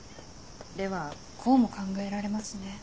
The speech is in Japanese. ではこうも考えられますね。